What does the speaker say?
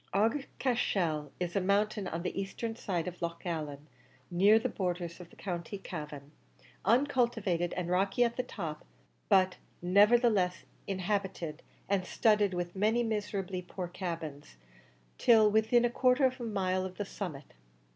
Aughacashel is a mountain on the eastern side of Loch Allen, near the borders of the County Cavan uncultivated and rocky at the top, but nevertheless inhabited, and studded with many miserably poor cabins, till within about a quarter of a mile of the summit.